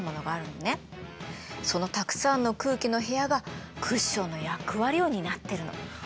そのたくさんの空気の部屋がクッションの役割を担ってるの。